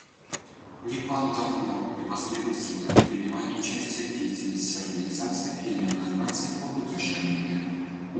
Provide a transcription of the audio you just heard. Непал давно и последовательно принимает участие в деятельности Организации Объединенных Наций по поддержанию мира.